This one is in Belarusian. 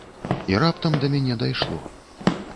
І раптам да мяне дайшло.